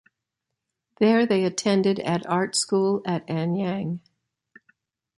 There, they attended at Art school at Anyang.